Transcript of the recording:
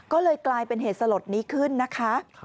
ก็เลยกลายเป็นเหตุสลดนี้ขึ้นนะคะ